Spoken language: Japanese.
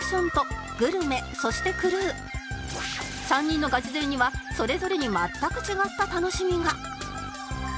３人のガチ勢にはそれぞれに全く違った楽しみが！